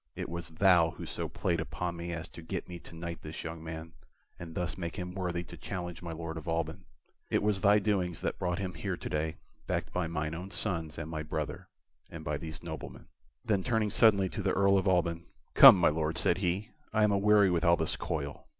It was thou who so played upon me as to get me to knight this young man, and thus make him worthy to challenge my Lord of Alban. It was thy doings that brought him here to day, backed by mine own sons and my brother and by these noblemen." Then turning suddenly to the Earl of Alban: "Come, my Lord," said he; "I am aweary with all this coil.